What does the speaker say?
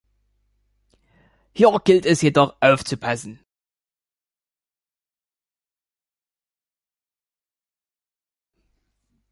Hier gilt es jedoch aufzupassen.